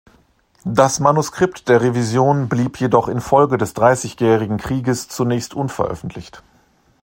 Das Manuskript der Revision blieb jedoch infolge des Dreißigjährigen Krieges zunächst unveröffentlicht.